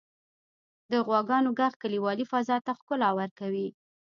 • د غواګانو ږغ کلیوالي فضا ته ښکلا ورکوي.